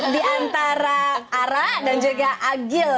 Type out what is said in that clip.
diantara ara dan juga agil gitu